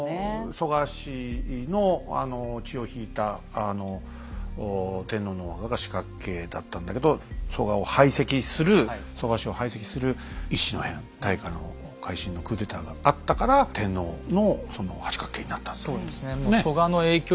蘇我氏の血を引いた天皇のお墓が四角形だったんだけど蘇我を排斥する蘇我氏を排斥する乙巳の変大化の改新のクーデターがあったから天皇のその八角形になったというねえ？